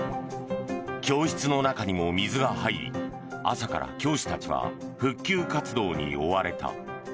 教室の中にも水が入り朝から教師たちは復旧活動に追われた。